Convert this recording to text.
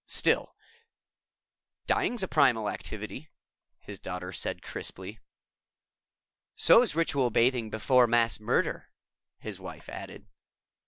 Still " "Dying's a primal activity," his daughter said crisply. "So's ritual bathing before mass murder," his wife added.